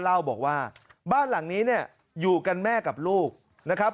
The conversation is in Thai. เล่าบอกว่าบ้านหลังนี้เนี่ยอยู่กันแม่กับลูกนะครับ